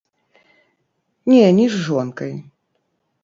Не, не з жонкай.